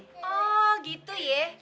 oh gitu ya